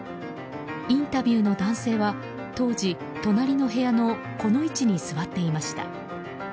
インタビューの男性は当時、隣の部屋のこの位置に座っていました。